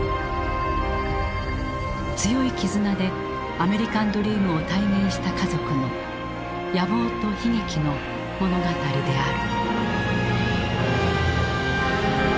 強い絆でアメリカンドリームを体現した家族の野望と悲劇の物語である。